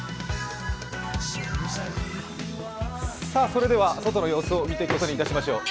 それでは外の様子を見ていくことにしましょう。